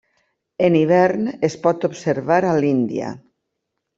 En hivern es pot observar a l'Índia.